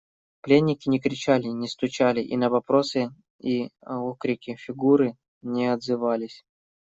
Пленники не кричали, не стучали и на вопросы и окрики Фигуры не отзывались.